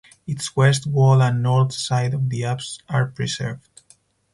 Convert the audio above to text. Its west wall and north side of the apse are preserved.